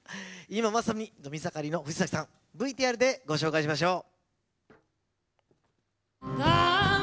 今、まさに伸び盛りの藤崎さんＶＴＲでご紹介しましょう。